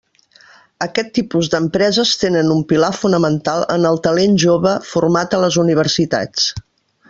Aquest tipus d'empreses tenen un pilar fonamental en el talent jove format a les universitats.